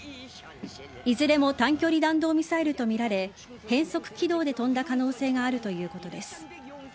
いずれも短距離弾道ミサイルとみられ変則軌道で飛んだ可能性があるということです。